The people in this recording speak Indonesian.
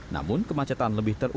namun kemacetan lebih terlalu